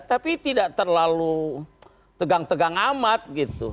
tapi tidak terlalu tegang tegang amat gitu